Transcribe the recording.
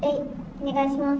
お願いします。